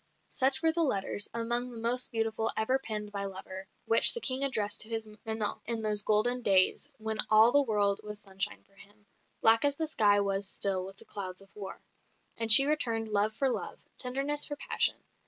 Such were the letters among the most beautiful ever penned by lover which the King addressed to his "Menon" in those golden days, when all the world was sunshine for him, black as the sky was still with the clouds of war. And she returned love for love; tenderness for passion.